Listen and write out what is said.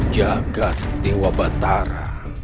jagad dewa batara